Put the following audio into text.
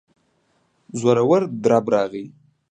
زورور درب راغی.